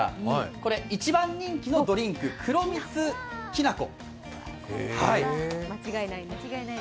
これ、一番人気のドリンク黒蜜きな粉。